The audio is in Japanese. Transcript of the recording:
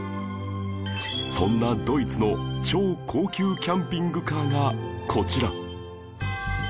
そんなドイツの超高級キャンピングカーがこちら